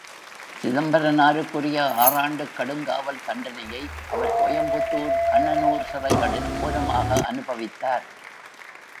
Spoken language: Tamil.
சிதம்பரனாருக்குரிய ஆறாண்டுக் கடுங்காவல் தண்டனையை, அவர் கோயம்புத்துர், கண்ணனூர் சிறைகளில் கோரமாக அனுபவித்தார்.